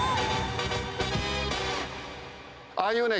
ああいうね。